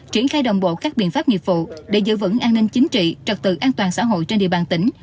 triển khai đồng bộ các biện pháp nghiệp vụ để giữ vững an ninh chính trị trật tự an toàn xã hội trên địa bàn tỉnh